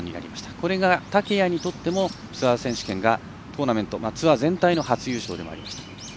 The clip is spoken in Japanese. これが竹谷にとってもツアー選手権がトーナメント、ツアー全体の初優勝でもありました。